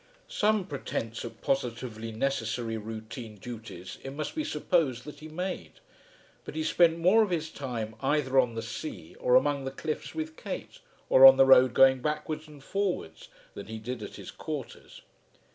Some pretence at positively necessary routine duties it must be supposed that he made; but he spent more of his time either on the sea, or among the cliffs with Kate, or on the road going backwards and forwards, than he did at his quarters.